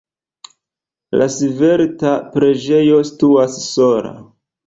La svelta preĝejo situas sola.